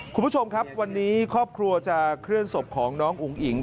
คุณผู้ชมครับวันนี้ครอบครัวจะเคลื่อนศพของน้องอุ๋งอิ๋ง